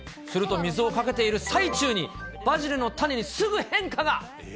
すると水をかけている最中に、バジルの種にすぐ変化が。